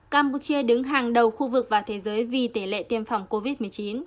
campuchia đứng hàng đầu khu vực và thế giới vì tỷ lệ tiêm phòng covid một mươi chín